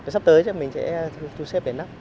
sắp tới mình sẽ thu xếp để lắp